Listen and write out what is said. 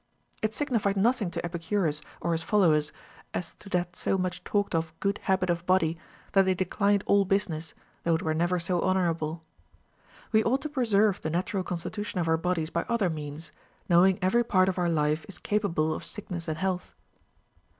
It signified nothing to Epicurus or his followers, as to that so much talked of good habit of body, that they declined all business, though it were never so honorable. AVe ought to preserve the natural constitution of our bodies by other means, knowing every part of our life is capable of sickness and health.